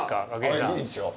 いいですよ。